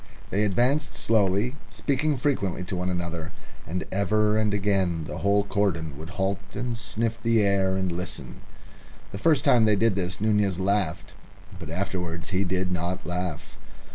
They advanced slowly, speaking frequently to one another, and ever and again the whole cordon would halt and sniff the air and listen. The first time they did this Nunez laughed. But afterwards he did not laugh.